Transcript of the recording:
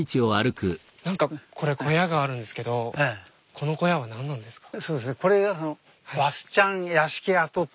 何かこれ小屋があるんですけどこの小屋は何なんですか？